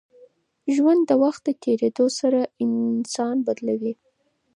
ژوند د وخت په تېرېدو سره انسان بدلوي.